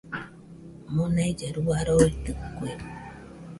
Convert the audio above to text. Monailla rua roitɨkue